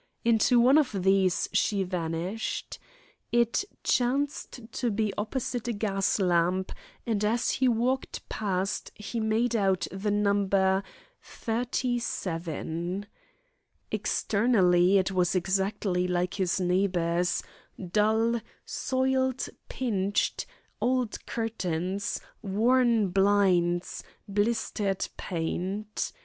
Into one of these she vanished. It chanced to be opposite a gas lamp, and as he walked past he made out the number 37. Externally it was exactly like its neighbours, dull, soiled, pinched, old curtains, worn blinds, blistered paint.